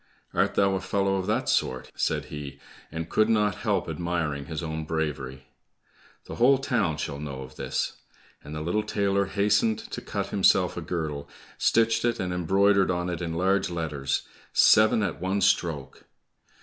"Art thou a fellow of that sort?" said he, and could not help admiring his own bravery. "The whole town shall know of this!" And the little tailor hastened to cut himself a girdle, stitched it, and embroidered on it in large letters, "Seven at one stroke!"